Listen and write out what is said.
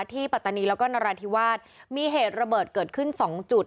ปัตตานีแล้วก็นราธิวาสมีเหตุระเบิดเกิดขึ้น๒จุด